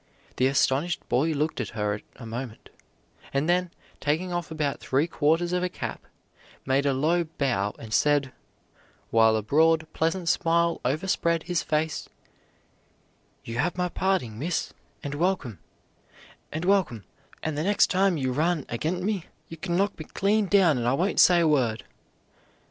The astonished boy looked at her a moment, and then, taking off about three quarters of a cap, made a low bow and said, while a broad, pleasant smile overspread his face: "You have my parding, miss, and welcome, and welcome; and the next time you run ag'in' me, you can knock me clean down and I won't say a word."